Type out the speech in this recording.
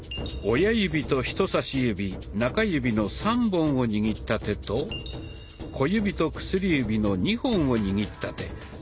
親指と人さし指中指の３本を握った手と小指と薬指の２本を握った手。